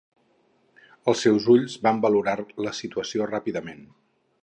Els seus ulls van valorar la situació ràpidament.